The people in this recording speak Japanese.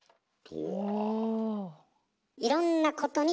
お。